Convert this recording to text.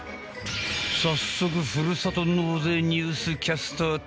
早速ふるさと納税ニュースキャスター体験。